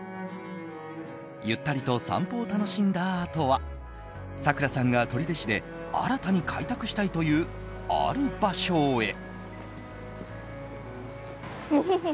ゆったりと散歩を楽しんだあとはさくらさんが取手市で新たに開拓したいというある場所へ。